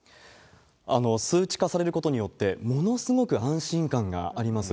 数値化されることによって、ものすごく安心感があります。